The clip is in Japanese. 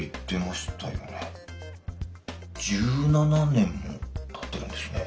１７年もたってるんですね。